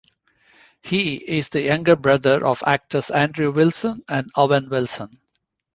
He is the younger brother of actors Andrew Wilson and Owen Wilson.